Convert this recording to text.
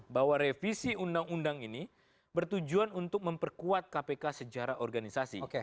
bahwa revisi undang undang ini bertujuan untuk memperkuat kpk sejarah organisasi